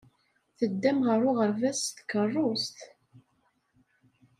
Teddam ɣer uɣerbaz s tkeṛṛust.